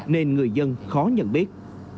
nên người dân khó nhận biết